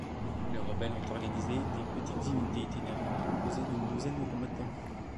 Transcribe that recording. Les rebelles sont organisés dans de petites unités itinérantes composées d'une douzaine de combattants.